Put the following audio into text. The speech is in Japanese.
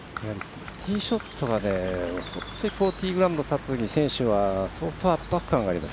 ティーショットが本当にティーグラウンドに立ったときに選手は、圧迫感があります。